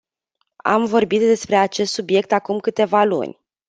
Am vorbit despre acest subiect acum câteva luni.